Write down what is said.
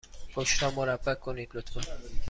پشت را مربع کنید، لطفا.